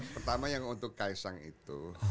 pertama yang untuk kaisang itu